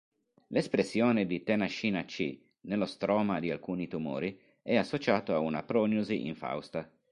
L'espressione di tenascina-C nello stroma di alcuni tumori è associato ad una prognosi infausta.